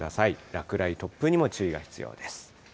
落雷、突風にも注意が必要です。